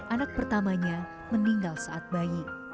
anak pertamanya meninggal saat bayi